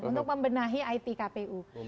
untuk membenahi itkpu